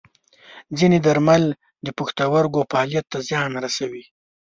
ځینې درمل د پښتورګو فعالیت ته زیان رسوي.